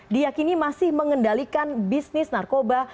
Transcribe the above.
diakini masih mengendalikan bisnis narkoba